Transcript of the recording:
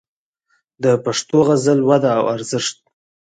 د پښتو غزل وده او ارزښت